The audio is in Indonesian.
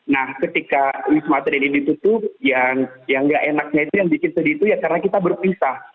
nah ketika wisma atlet ini ditutup ya yang gak enaknya itu yang bikin sedih itu ya karena kita berpisah